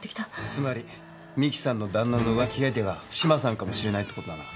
つまり美樹さんの旦那の浮気相手が志麻さんかもしれないってことだな？